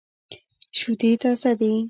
شودې تازه دي.